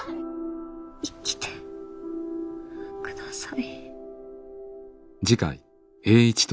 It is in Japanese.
生きてください。